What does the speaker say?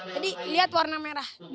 jadi lihat warna merah